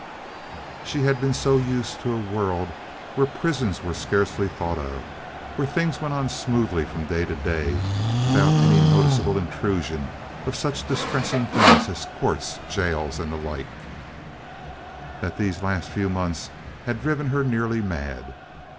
She had been so used to a world where prisons were scarcely thought of, where things went on smoothly from day to day without any noticeable intrusion of such distressing things as courts, jails, and the like, that these last few months had driven her nearly mad.